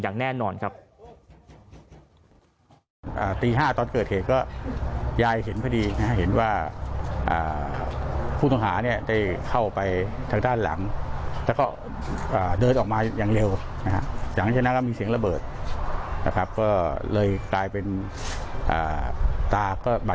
อย่างแน่นอนครับ